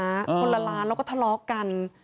คนละล้านแล้วก็ทะเลาะกัน